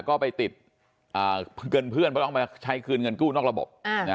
ก็ไปติดเพื่อนเพราะต้องมาใช้คืนเงินกู้นอกระบบ